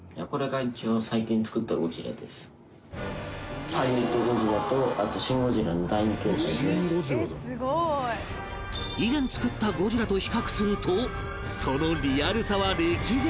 「えっすごい」以前作ったゴジラと比較するとそのリアルさは歴然の差